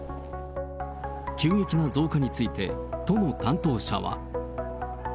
急激な増加について都の担当者は。